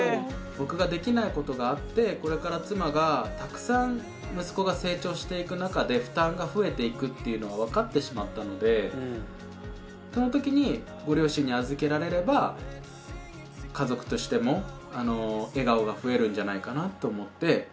僕ができないことがあってこれから妻がたくさん息子が成長していく中で負担が増えていくっていうのが分かってしまったのでその時にご両親に預けられれば家族としても笑顔が増えるんじゃないかなと思って。